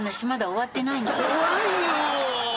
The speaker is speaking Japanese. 怖いよ。